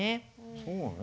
そうね